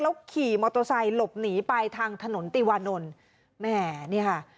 ขี่มอเตอร์ไซค์หลบหนีไปทางถนนติวานนท์แหมนี่ค่ะ